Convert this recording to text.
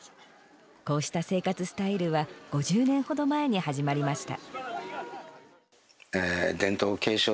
こうした生活スタイルは５０年ほど前に始まりました。